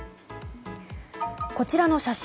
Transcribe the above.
こちらの写真。